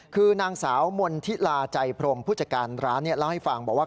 คือนางสาวมณฑิลาใจพรมผู้จัดการร้านเล่าให้ฟังบอกว่า